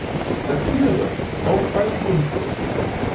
Das Innere ist auffallend dunkel.